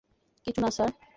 কিচ্ছু না, স্যার।